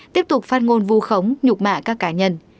tiếp tục phát ngôn vu khống nhục mả các cá nhân